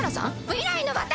未来の私？